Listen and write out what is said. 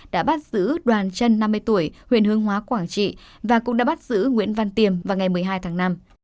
đã bắt giữ đoàn chân năm mươi tuổi huyện hương hóa quảng trị và cũng đã bắt giữ nguyễn văn tiềm vào ngày một mươi hai tháng năm